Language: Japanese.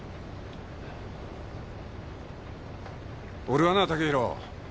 俺はな剛洋。